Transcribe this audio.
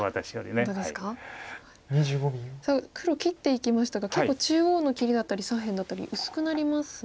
さあ黒切っていきましたが結構中央の切りだったり左辺だったり薄くなりますね。